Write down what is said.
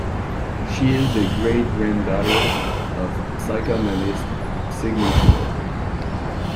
She is the great-granddaughter of psychoanalyst Sigmund Freud.